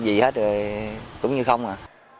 gì hết rồi cũng như không à